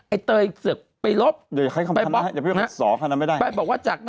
ไอ้เตยเสือกไปลบไปบอก